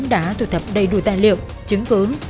đã tụt thập đầy đủ tài liệu chứng cứ